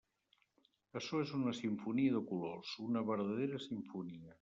Açò és una simfonia de colors, una verdadera simfonia.